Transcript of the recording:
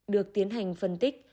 được tiến hành phân tích